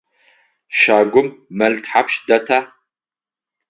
Щагум мэл тхьапш дэта?